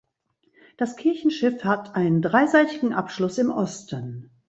Das Kirchenschiff hat einen dreiseitigen Abschluss im Osten.